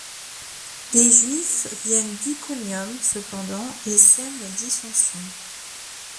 Des juifs viennent d’Iconium cependant et sèment la dissension.